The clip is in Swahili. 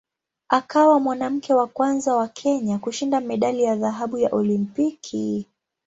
Akawa mwanamke wa kwanza wa Kenya kushinda medali ya dhahabu ya Olimpiki.